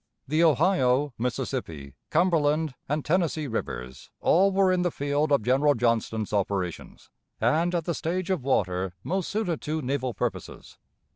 The Ohio, Mississippi, Cumberland, and Tennessee Rivers all were in the field of General Johnston's operations, and at the stage of water most suited to naval purposes.